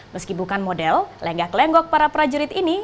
meski bukan model lenggak lenggok para prajurit ini